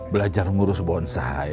belajar ngurus bonsai